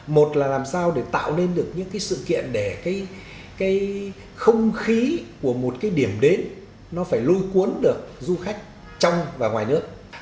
một là làm sao để tạo nên được những cái sự kiện để cái không khí của một cái điểm đến nó phải lôi cuốn được du khách trong và ngoài nước